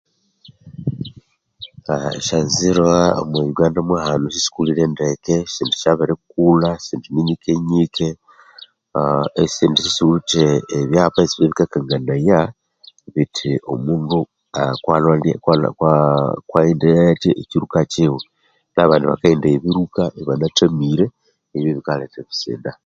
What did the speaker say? Ah esyanzira omo Uganda mwa hano sisikolire ndeke esindi syabirikulha esindi ni nyike nyike ah esindi sisiwithe ebyapa ebikakanganaya bithi omundu ah kwalhole kwa kwaghendaye athya ekyiruka kyiwe nabandi bakaghendaya ebiruka ibanathamire, ebi bikaletha ebisida.